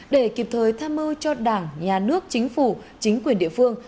để kịp thời tham mưu cho đảng nhà nước chính phủ chính quyền địa phương